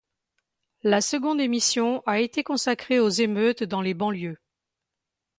La seconde émission a été consacrée aux émeutes dans les banlieues.